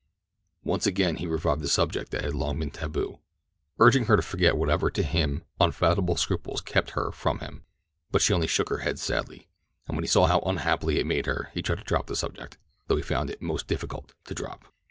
Once again he revived the subject that had long been taboo, urging her to forget whatever to him unfathomable scruples kept her from him; but she only shook her head sadly, and when he saw how unhappy it made her he tried to drop the subject, though he found it most difficult to drop.